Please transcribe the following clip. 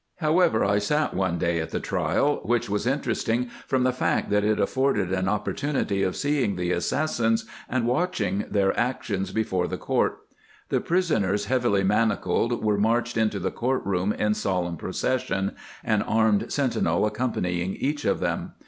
However, I sat one day at the trial, which was interesting from the fact that it afforded an oppor tunity of seeing the assassins and watching their actions before the court. The prisoners, heavily manacled, were marched into the court room in solemn procession, an armed sentinel accompanying each of them.